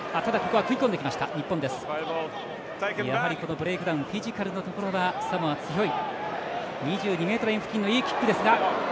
ブレイクダウンフィジカルのところはサモア、強い。